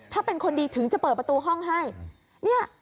ถ้าเป็นคนดีถึงจะเปิดประตูห้องให้เนี่ย